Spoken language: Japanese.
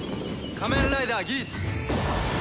『仮面ライダーギーツ』！